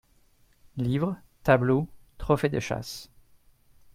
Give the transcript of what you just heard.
Livres, tableaux, trophées de chasse.